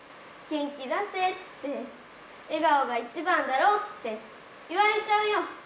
元気出せって、笑顔が一番だろうっていわれちゃうよ。